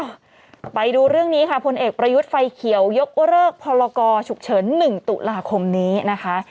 ไปดูเรื่องนี้ค่ะพลเอกประยุทธ์ไฟเขียวยกเลิกพรกรฉุกเฉิน๑ตุลาคมนี้นะคะ